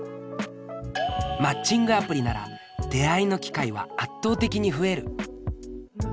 マッチングアプリなら出会いの機会は圧倒的に増える。